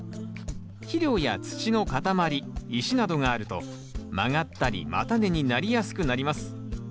肥料や土の塊石などがあると曲がったり叉根になりやすくなります。